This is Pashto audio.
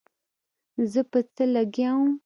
زه په څه لګيا وم.